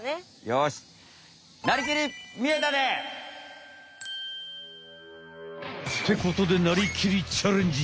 よしってことで「なりきり！チャレンジ！」。